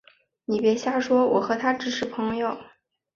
你别瞎说，我和他只是朋友